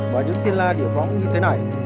và những thiên la địa phóng như thế này